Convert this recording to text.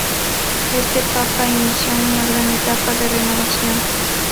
Este papa inició una gran etapa de renovación.